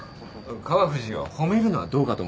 川藤よ褒めるのはどうかと思うぞ。